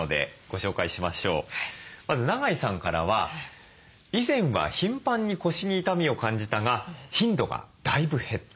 まず長井さんからは「以前は頻繁に腰に痛みを感じたが頻度がだいぶ減った。